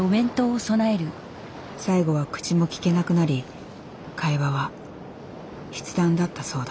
最後は口もきけなくなり会話は筆談だったそうだ。